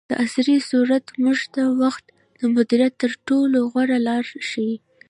دعصري سورت موږ ته د وخت د مدیریت تر ټولو غوره لار ښیي.